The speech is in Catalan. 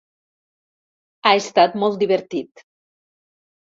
Ha estat molt divertit.